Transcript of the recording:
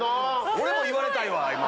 俺も言われたいわ！